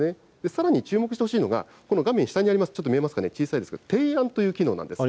さらに注目してほしいのが、この画面下にあります、ちょっと見えますかね、小さいですけど、ていあんという機能なんです。